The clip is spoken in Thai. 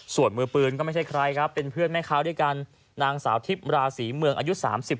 สวดมือปืนไม่ใช่ใครเป็นเพื่อนแม่ค้าด้วยเงินนางสาวทิปราศรีเมืองอายุ๓๘